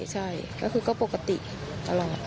ใช่ก็คือก็ปกติตลอด